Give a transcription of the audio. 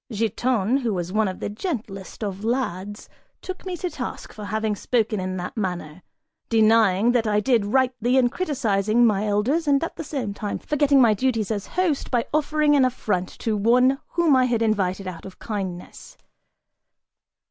Giton, who was one of the gentlest of lads, took me to task for having spoken in that manner, denying that I did rightly in criticising my elders and at the same time forgetting my duties as host by offering an affront to one whom I had invited out of kindness.